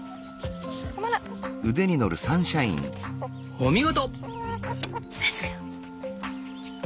お見事！